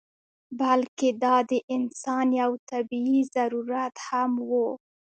بلکې دا د انسان یو طبعي ضرورت هم و.